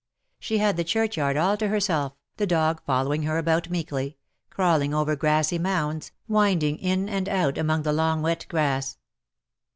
She had the churchyard all to her self, the dog following her about meekly — crawling over grassy mounds, winding in and out among the long wet grass.